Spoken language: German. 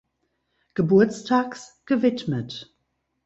Geburtstags gewidmet.